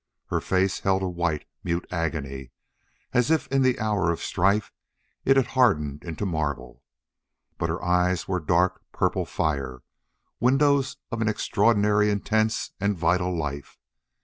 Her face held a white, mute agony, as if in the hour of strife it had hardened into marble. But her eyes were dark purple fire windows of an extraordinarily intense and vital life.